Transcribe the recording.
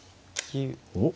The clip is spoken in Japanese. おっ？